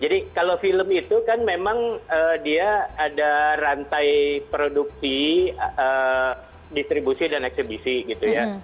jadi kalau film itu kan memang dia ada rantai produksi distribusi dan ekstribusi gitu ya